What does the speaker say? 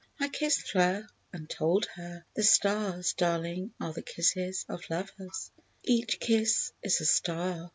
I kissed her, and told her: "The stars, darling, are The kisses of lovers— Each kiss is a star."